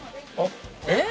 えっ？